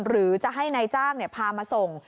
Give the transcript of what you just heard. หรือจะให้นายจ้างพามาส่ง